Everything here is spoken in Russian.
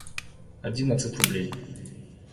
Одиннадцать рублей.